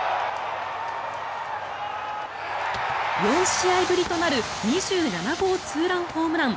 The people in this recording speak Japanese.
４試合ぶりとなる２７号ツーランホームラン。